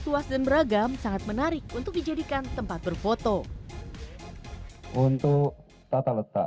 luas dan beragam sangat menarik untuk dijadikan tempat berfoto untuk tata letak